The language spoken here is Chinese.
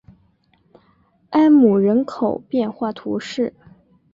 埃姆人口变化图示